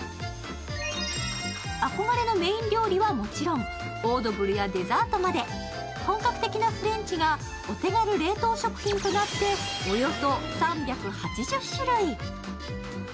憧れのメーン料理はもちろん、オードブルやデザートまで本格的なフレンチがお手軽冷凍食品となって、およそ３８０種類。